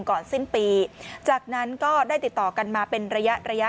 ก่อนสิ้นปีจากนั้นก็ได้ติดต่อกันมาเป็นระยะระยะ